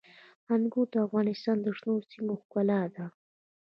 انګور د افغانستان د شنو سیمو ښکلا ده.